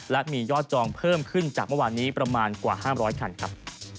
และมียอดจองเพิ่มขึ้นจากเมื่อวานนี้ประมาณกว่า๕๐๐คันครับ